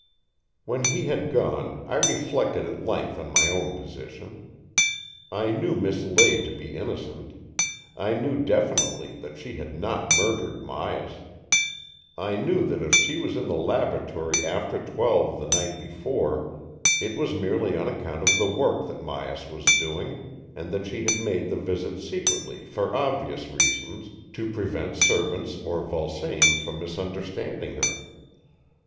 When he had gone, I reflected at length' on my own position. I knew Miss Lade to be innocent. I knew definitely that she had not murdered Myas. I knew that if she was in the laboratory after twelve the * night before, it was merely on account of the work that Myas was doing, and that she had made the visit secretly for obvious reasons — to 124 AN EXCHANGE OF SOULS prevent servants or Vulsame from misunder standing her.